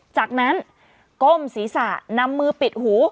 จากนั้นก้มศีรษะนำมือปิดหู